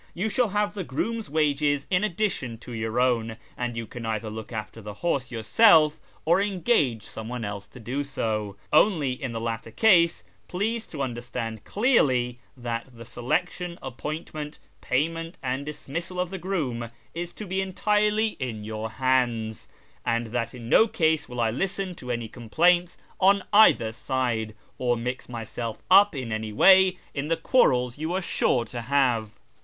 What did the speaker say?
You shall have the groom's wages in addition to your own, and you can either look after the horse yourself or engage someone else to do so ; only, in the latter case, please to understand clearly that the selection, appoint ment, payment, and dismissal of the groom is to be entirely in your hands, and that in no case will I listen to any complaints on either side, or mix myself up in any way in the quarrels you are sure to have."